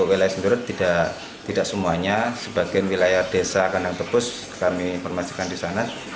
itu tidak tidak semuanya sebagai wilayah desa kandang tebus kami permasakan disana